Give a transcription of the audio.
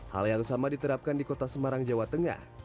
hal yang sama diterapkan di kota semarang jawa tengah